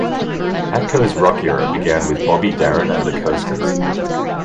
Atco's rock era began with Bobby Darin and The Coasters.